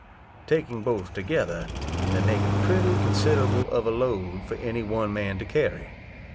Taking both together, they make a pretty considerable of a load for any one man to carry.